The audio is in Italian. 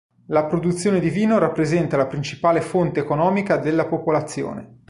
La produzione di vino rappresenta la principale fonte economica della popolazione.